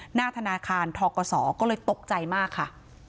หน้าธนาคารทกศก็เลยตกใจมากค่ะ